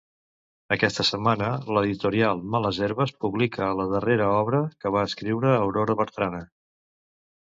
Aquesta setmana l'editorial Males Herbes publica la darrera obra que va escriure Aurora Bertrana.